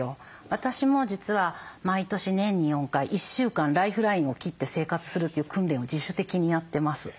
私も実は毎年年に４回１週間ライフラインを切って生活するという訓練を自主的にやってます。